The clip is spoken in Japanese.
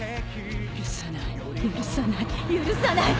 許さない許さない許さない。